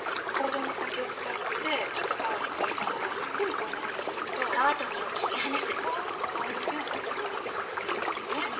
包丁の先を使ってちょっと皮を引っ張りながらゆっくりこんなふうにすると皮だけがこんなふうにむけるんですね。